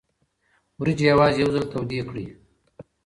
وریجې یوازې یو ځل تودې کړئ.